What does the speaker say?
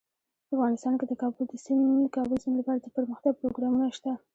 افغانستان کې د د کابل سیند لپاره دپرمختیا پروګرامونه شته.